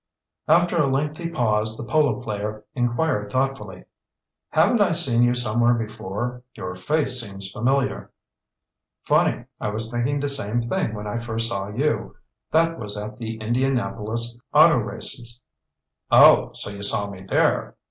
After a lengthy pause the polo player inquired thoughtfully: "Haven't I seen you somewhere before? Your face seems familiar." "Funny. I was thinking the same thing when I first saw you—that was at the Indianapolis auto races." "Oh, so you saw me there?"